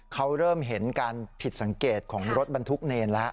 เขาเริ่มเห็นการผิดสังเกตของรถบรรทุกเนรแล้ว